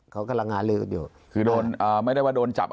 เขากำลังหาเลือดอยู่คือโดนแบบไม่ได้ตัวจับอยู่